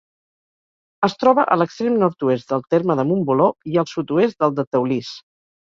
Es troba a l'extrem nord-oest del terme de Montboló i al sud-oest del de Teulís.